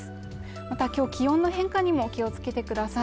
また今日気温の変化にも気をつけてください